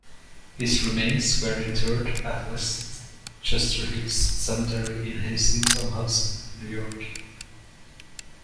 His remains were interred at Westchester Hills Cemetery in Hastings-on-Hudson, New York.